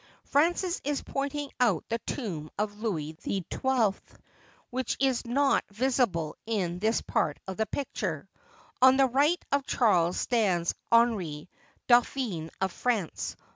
Francis is pointing out the tomb of Louis XII, which is not visible in this part of the picture. On the right of Charles stands Henri, Dauphin of France.